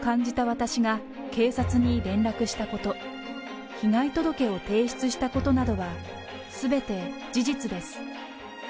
私が警察に連絡したこと、被害届を提出したことなどはすべて事実です。